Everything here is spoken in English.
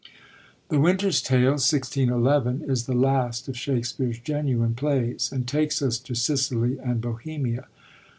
The Winter's Tale (1611) is the last of Shakspere's genuine plays, and takes us to Sicily and Bohemia.